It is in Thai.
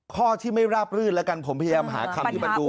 ข้อที่ไม่ราบรื่นแล้วกันผมพยายามหาคำที่มันดู